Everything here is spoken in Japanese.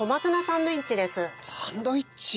サンドウィッチ。